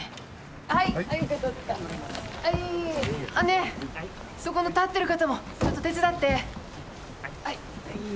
ねえそこの立ってる方もちょっと手伝って